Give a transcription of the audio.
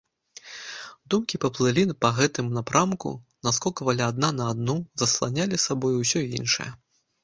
Думкі паплылі па гэтым напрамку, наскоквалі адна на другую, засланялі сабою ўсё іншае.